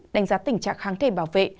đánh giá tình trạng kháng thể bảo vệ